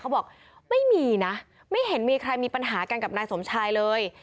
บอกไม่มีนะไม่เห็นมีใครมีปัญหากันกับนายสมชายเลย